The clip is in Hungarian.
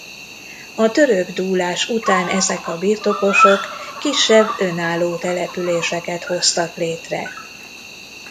A török dúlás után ezek a birtokosok kisebb önálló településeket hoztak létre.